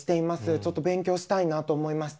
ちょっと勉強したいなと思いまして。